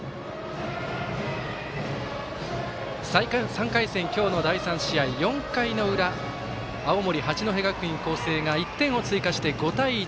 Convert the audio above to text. ３回戦、今日の第３試合４回の裏、青森、八戸学院光星が１点を追加して５対１。